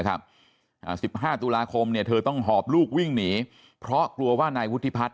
๑๕ตุลาคมเนี่ยเธอต้องหอบลูกวิ่งหนีเพราะกลัวว่านายวุฒิพัฒน